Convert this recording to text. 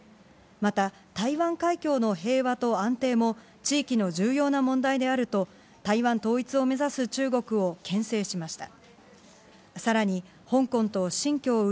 また、台湾海峡の平和と安定も地域の重要な問題であると、台湾統一を目指す中国をけん制しました。